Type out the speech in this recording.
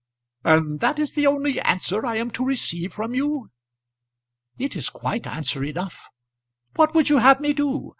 "And that is the only answer I am to receive from you?" "It is quite answer enough. What would you have me do?